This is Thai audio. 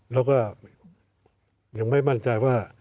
แล้วก็ยังไม่มั่นใจว่า